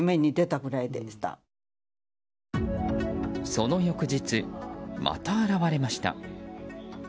その翌日、また現われました。